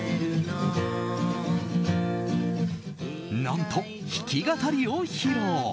何と、弾き語りを披露。